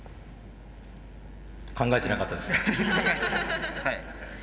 考えてなかったですか？